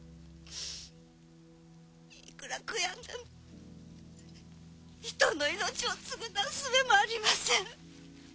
いくら悔やんでも人の命を償う術もありません。